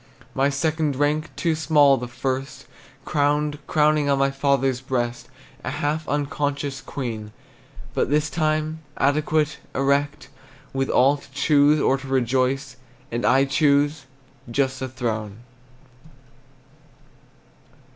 My second rank, too small the first, Crowned, crowing on my father's breast, A half unconscious queen; But this time, adequate, erect, With will to choose or to reject. And I choose just a throne.